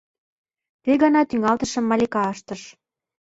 Ты гана тӱҥалтышым Малика ыштыш.